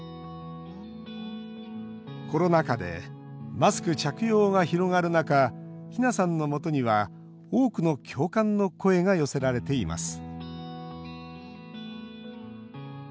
コロナ禍でマスク着用が広がる中ひなさんのもとには多くの共感の声が寄せられています